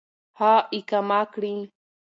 هغه اقامه كړي .